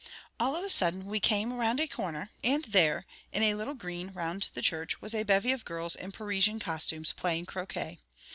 All of a sudden, we came round a corner, and there, in a little green round the church, was a bevy of girls in Parisian costumes playing croquet.